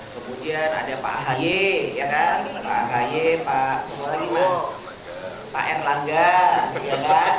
kemudian ada pak ahy pak ahy pak ayo pak airlangga